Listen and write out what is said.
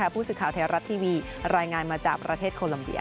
ผู้สื่อข่าวไทยรัฐทีวีรายงานมาจากประเทศโคลัมเบีย